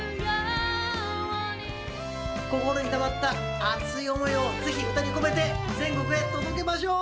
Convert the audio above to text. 心にたまった熱い思いでぜひ歌に込めて全国に届けましょう！